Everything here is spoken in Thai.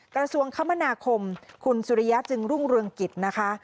กระทรวงคมนาคมคุณสุริยะจึงรุ่งเรืองกิจนะคะ